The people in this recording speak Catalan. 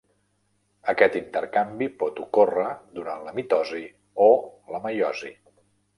Aquest intercanvi pot ocórrer durant la mitosi o la meiosi.